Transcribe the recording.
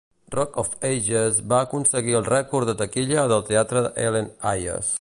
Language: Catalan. "Rock of Ages" va aconseguir el rècord de taquilla del teatre Helen Hayes.